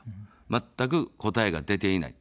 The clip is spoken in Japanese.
まったく答えが出ていない。